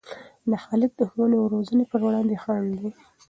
دا حالت د ښوونې او روزنې پر وړاندې خنډ دی.